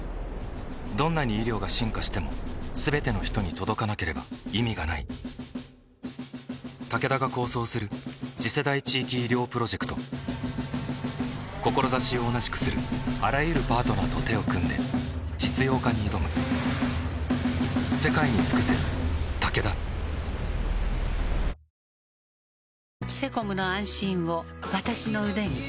どんなに医療が進化しても全ての人に届かなければ意味がないタケダが構想する次世代地域医療プロジェクト志を同じくするあらゆるパートナーと手を組んで実用化に挑むこの「ビアボール」ってなに？